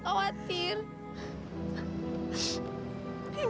aurang aurangnya kan seperti itu aja